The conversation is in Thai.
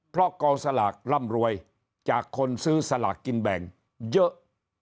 เพราะกองสลากร่ำรวยจากคนซื้อสลากกินแบ่งเยอะ